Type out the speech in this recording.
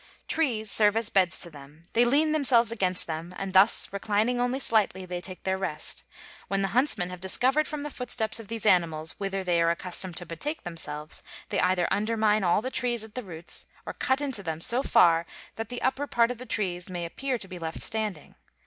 Trees serve as beds to them; they lean themselves against them, and thus reclining only slightly, they take their rest; when the huntsmen have discovered from the footsteps of these animals whither they are accustomed to betake themselves, they either undermine all the trees at the roots, or cut into them so far that the upper part of the trees may appear to be left standing.